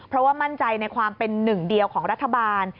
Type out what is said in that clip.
เพราะว่ามั่นใจในความเป็นหนึ่งเดียวของรัฐบาล